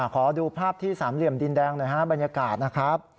ขอดูภาพที่สามเหลี่ยมดินแดงหน่อยฮะบรรยากาศนะครับ